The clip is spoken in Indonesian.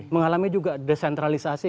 mengalami juga desentralisasi